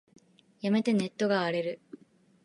やめて、ネットが荒れる。